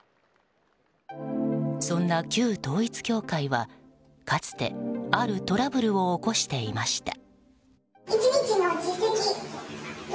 そんな旧統一教会は、かつてあるトラブルを起こしていました。